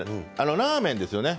ラーメンですよね。